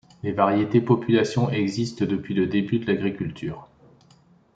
Les variétés populations existent depuis les débuts de l'agriculture.